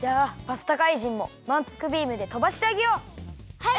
はい！